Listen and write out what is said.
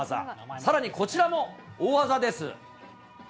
さらに、こちらも大技です。